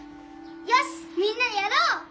よしみんなでやろう！